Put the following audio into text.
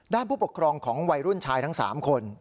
ผู้ปกครองของวัยรุ่นชายทั้ง๓คน